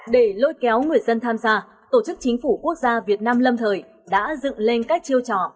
để lôi kéo người dân tham gia tổ chức chính phủ quốc gia việt nam lâm thời đã dựng lên các chiêu trò